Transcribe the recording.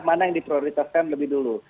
mana yang diprioritaskan lebih dulu